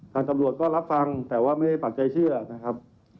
ทางตำรวจก็รับฟังแต่ว่าไม่ได้ปักใจเชื่อนะครับ